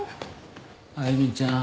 歩ちゃん。